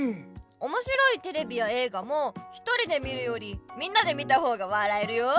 おもしろいテレビやえい画も１人で見るよりみんなで見た方が笑えるよ。